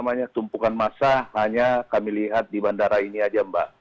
dan yang tumpukan masa hanya kami lihat di bandara ini saja mbak